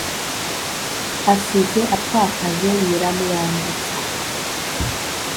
Asize apfakaje Nyiramwambutsa.